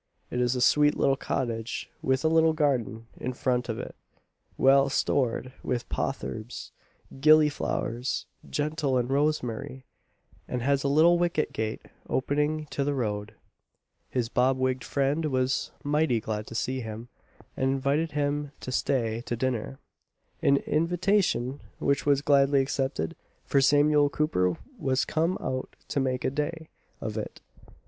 It is a sweet little cottage, with a little garden in front of it, well stored with potherbs, "gilli flowers gentle and rosemarie;" and has a little wicket gate opening to the road. His bob wigg'd friend was mighty glad to see him, and invited him to stay to dinner; an invitation which was gladly accepted, for Samuel Cooper was come out to make a day of it.